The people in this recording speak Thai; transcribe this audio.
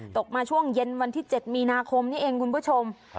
ตกมาช่วงเย็นวันที่๗มีนาคมนี่เองคุณผู้ชม